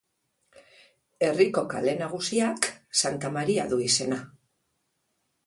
Herriko kale nagusiak Santa Maria du izena.